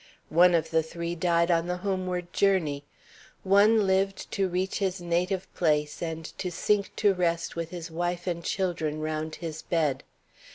One of the three died on the homeward journey. One lived to reach his native place, and to sink to rest with his wife and children round his bed.